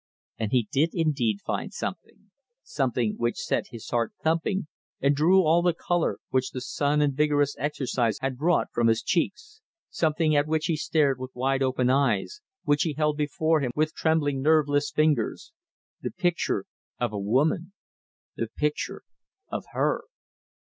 And he did indeed find something something which set his heart thumping, and drew all the colour, which the sun and vigorous exercise had brought, from his cheeks; something at which he stared with wide open eyes, which he held before him with trembling, nerveless fingers. The picture of a woman! The picture of her!